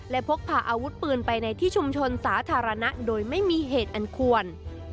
และพกพาอาวุธปืนไปในที่ชุมชนสาธารณะโดยไม่มีเหตุอันควร